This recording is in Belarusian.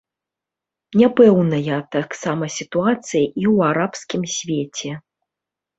Няпэўная таксама сітуацыя і ў арабскім свеце.